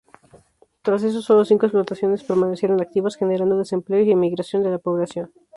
Tras eso solo cinco explotaciones permanecieron activas, generando desempleo y emigración de la población.